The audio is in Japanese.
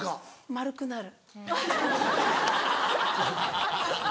丸くなる。